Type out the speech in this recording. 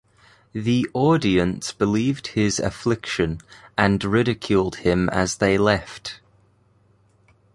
The audience believed his affliction and ridiculed him as they left.